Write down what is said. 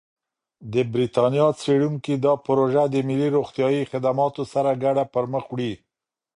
د بریتانیا څېړونکي دا پروژه د ملي روغتیايي خدماتو سره ګډه پرمخ وړي.